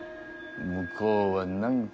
向こうは何か